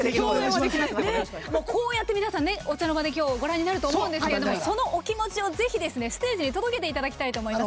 こうやって皆さんお茶の間で今日ご覧になると思うんですけどそのお気持ちをぜひ、ステージに届けていただきたいと思います。